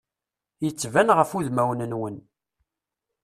Yettban ɣef udmawen-nwen.